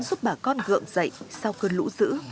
giúp bà con gượng dậy sau cơn lũ dữ